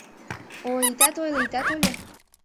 — Ой, итат ойло, итат ойло...